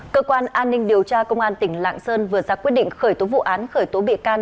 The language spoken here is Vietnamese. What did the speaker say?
cơ quan an ninh điều tra công an tỉnh lạng sơn vừa ra quyết định khởi tố vụ án khởi tố bị can